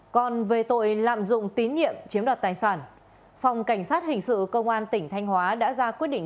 còn về tội lạm dụng tín nhiệm chiếm đoạt tài sản phòng cảnh sát hình sự công an tỉnh thanh hóa đã ra quyết định